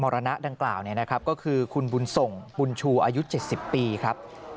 รณะดังกล่าวก็คือคุณบุญส่งบุญชูอายุ๗๐ปีครับ